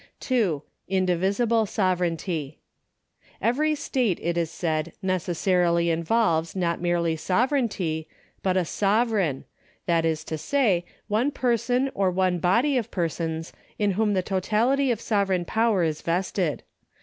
2. Indivisible sovereignty.— Every state, it is said, necessarily involves not merely sovereignty, but a sovereign, that is to say, one person or one body of persons in whom the totality of sovereign power is vested.